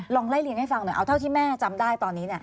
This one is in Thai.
ไล่เลี่ยงให้ฟังหน่อยเอาเท่าที่แม่จำได้ตอนนี้